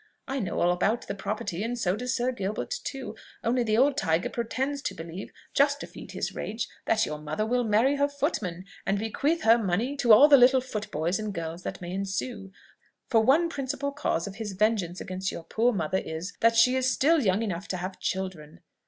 I know all about the property, and so does Sir Gilbert too; only the old tiger pretends to believe, just to feed his rage, that your mother will marry her footman, and bequeath her money to all the little footboys and girls that may ensue: for one principal cause of his vengeance against your poor mother is, that she is still young enough to have children.